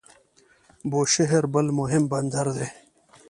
بوشهر بل مهم بندر دی.